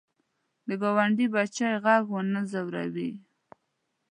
د ګاونډي بچي غږ ونه ځوروې